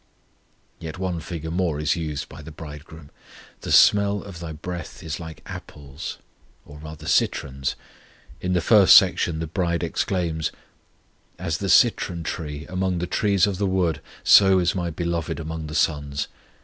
_ Yet one figure more is used by the Bridegroom: "The smell of thy breath [is] like apples," or rather citrons. In the first section the bride exclaims: As the citron tree among the trees of the wood, So is my Beloved among the sons.